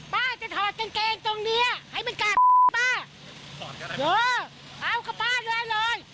ป้าจะถอดกางเกงตรงเนี้ยให้มันกล้าป้าเยอะเอากับป้าด้วยเลย